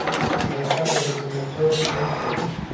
صداقت او ریښتینتوب خوښ شو.